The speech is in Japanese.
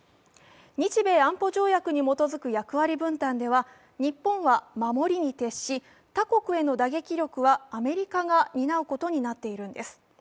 日米安保条約に基づく役割分担では日本浜盛りに徹し他国への打撃力はアメリカが担うことになっているんです。